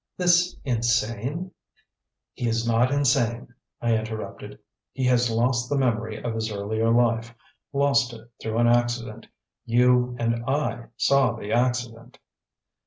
"This insane " "He is not insane," I interrupted. "He has lost the memory of his earlier life lost it through an accident. You and I saw the accident."